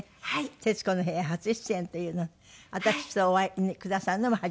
『徹子の部屋』初出演というので私とお会いくださるのも初めてなんですけども。